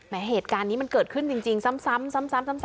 เหตุการณ์นี้มันเกิดขึ้นจริงซ้ำ